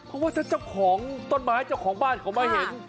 เพราะว่าถ้าเจ้าของต้นไม้เจ้าของบ้านเขามาเห็น